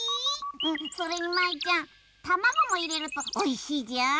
うんそれに舞ちゃんたまごもいれるとおいしいじゃーん。